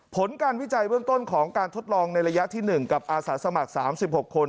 ผลการวิจัยเบื้องต้นของการทดลองในระยะที่๑กับอาสาสมัคร๓๖คน